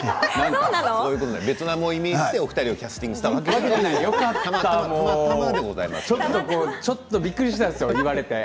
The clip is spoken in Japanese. ベトナムをイメージしてお二人をキャスティングしたわけちょっとびっくりしたんですよ、言われて。